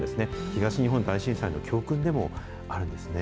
東日本大震災の教訓でもあるんですね。